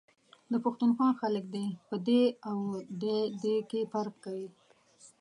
د پښتونخوا خلک دی ، په دي او دی.دے کي فرق کوي ،